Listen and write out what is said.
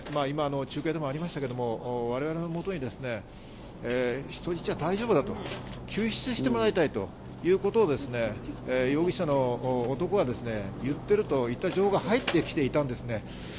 中継でもありましたけど我々のもとに人質は大丈夫だと、救出してもらいたいということを容疑者の男が言ってるといった情報が入ってきていたんですね。